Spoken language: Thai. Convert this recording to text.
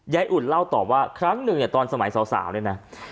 อุ่นเล่าต่อว่าครั้งหนึ่งเนี่ยตอนสมัยสาวเนี่ยนะ